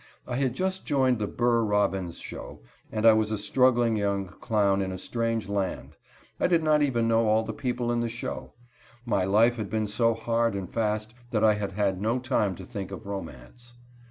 I had just joined the Burr Robbins show, and I was a struggling young clown in a strange land. I did not even know all the people in the show. My life had been so hard and fast that I had had no time to think of romance.